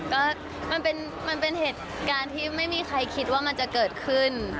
ก็มันเป็นเหตุการณ์ที่ไม่มีใครคิดว่ามันจะเกิดขึ้น